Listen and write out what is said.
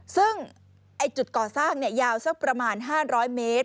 ซึ่งจุดก่อสร้างยาวสักประมาณ๕๐๐เมตร